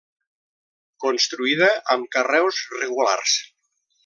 Construïda amb carreus regulars.